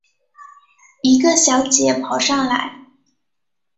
一个小姐跑上来